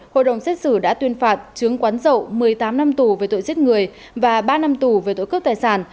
hội đồng xét xử đã tuyên phạt trướng quán dậu một mươi tám năm tù về tội giết người và ba năm tù về tội cướp tài sản